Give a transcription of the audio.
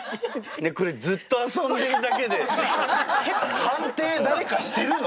これずっと遊んでるだけで判定誰かしてるの？